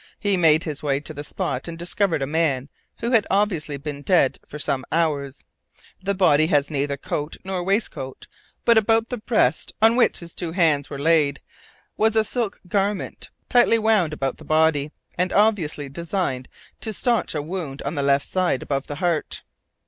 He made his way to the spot and discovered a man, who had obviously been dead for some hours. The body had neither coat nor waistcoat, but about the breast, on which his two hands were laid, was a silk garment tightly wound about the body, and obviously designed to stanch a wound on the left side above the heart.